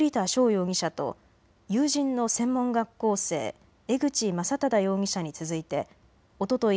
容疑者と友人の専門学校生、江口将匡容疑者に続いておととい